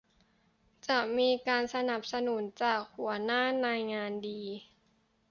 จะมีการสนับสนุนจากหัวหน้านายงานดี